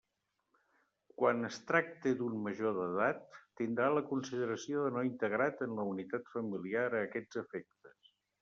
Quan es tracte d'un major d'edat, tindrà la consideració de no integrat en la unitat familiar a aquests efectes.